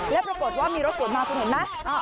แล้วปรากฏว่ามีรถสวนมาคุณเห็นไหม